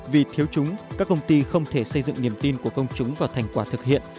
vì thiếu chúng các công ty không thể xây dựng niềm tin của công chúng vào thành quả thực hiện